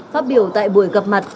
phát biểu tại buổi gặp mặt